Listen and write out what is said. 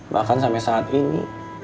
bahkan sampai saat ini